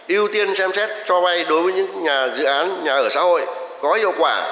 ưu tiên xem xét cho vay đối với những nhà dự án nhà ở xã hội có hiệu quả